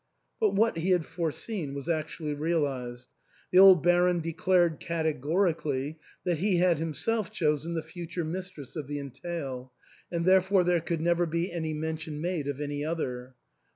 But what he had foreseen was actually realised ; the old Baron declared categorically that he had himself chosen the future mistress of the entail, and therefore there could never be any mention made of any other.